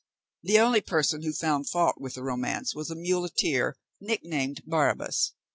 The only person who found fault with the romance was a muleteer, nicknamed Barrabas.